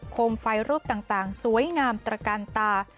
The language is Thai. มไฟรูปต่างสวยงามตระกันตา